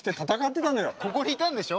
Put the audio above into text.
ここにいたんでしょ？